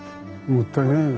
もったいない。